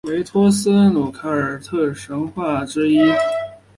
维诺托努斯凯尔特神话神只之一。